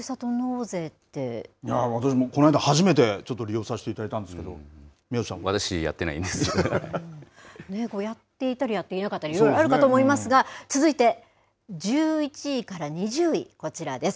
私もこの間、初めてちょっと利用させていただいたんですけど、宮内さんは。やっていたり、やっていなかったり、いろいろあるかと思いますが、続いて１１位から２０位、こちらです。